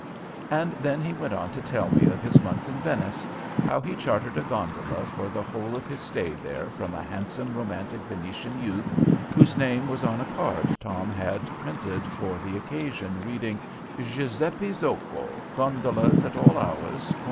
And then he went on to tell me of his month in Venice; how he chartered a gondola for the whole of his stay there from a handsome romantic Venetian youth, whose name was on a card Tom had had printed for the occasion, reading: GIUSEPPE ZOCCO Gondolas at all Hours Cor.